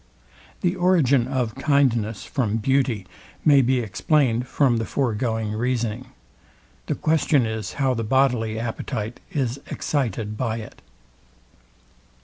The origin of kindness from beauty may be explained from the foregoing reasoning. The question is how the bodily appetite is excited by it.